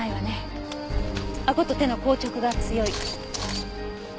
あごと手の硬直が強い。